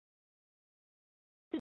绿艾纳香为菊科艾纳香属的植物。